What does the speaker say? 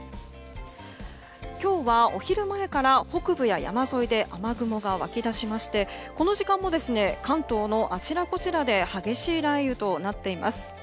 今日はお昼前から北部や山沿いで雨雲が湧き出しましてこの時間も関東のあちらこちらで激しい雷雨となっています。